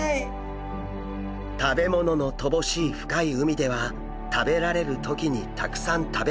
食べ物のとぼしい深い海では食べられる時にたくさん食べる。